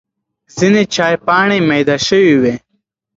ځینې چای پاڼې مېده شوې وي.